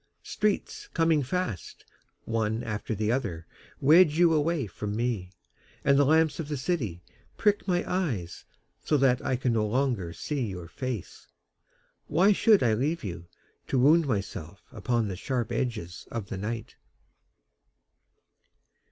Streets coming fast, One after the other, Wedge you away from me, And the lamps of the city prick my eyes So that I can no longer see your face. Why should I leave you, To wound myself upon the sharp edges of the night?